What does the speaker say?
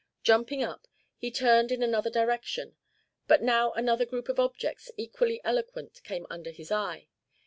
Jumping up, he turned in another direction; but now another group of objects equally eloquent came under his eye.